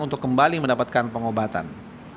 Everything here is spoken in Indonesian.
untuk kembali mendapatkan pengobatan